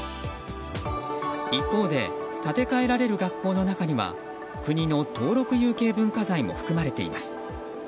一方で建て替えられる学校の中には国の登録有形文化財も含まれています。